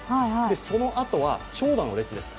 そのあとは、長蛇の列です。